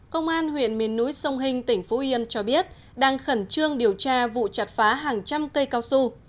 công an huyện miền núi sông hình tỉnh phú yên cho biết đang khẩn trương điều tra vụ chặt phá hàng trăm cây cao su